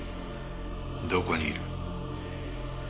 どこにいる？